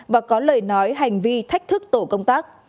và có lời nói hành vi thách thức tổ công tác